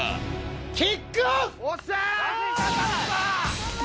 キックオフ！